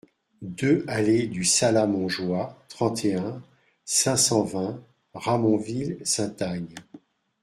deux allée du Salas-Montjoie, trente et un, cinq cent vingt, Ramonville-Saint-Agne